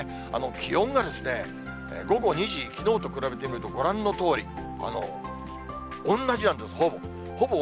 気温が午後２時、きのうと比べてみるとご覧のとおり、同じなんです、ほぼ。